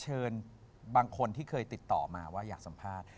เชิญบางคนที่เคยติดต่อมาว่าอยากสัมภาษณ์